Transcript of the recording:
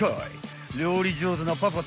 ［料理上手なパパ